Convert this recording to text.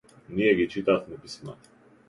Ние ги читавме писмата.